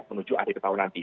menuju akhir tahun nanti